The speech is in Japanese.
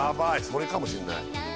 それかもしんない